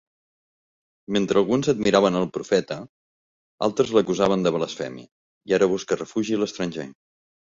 Mentre alguns admiraven el profeta, altres l'acusaren de blasfèmia, i ara busca refugi a l'estranger.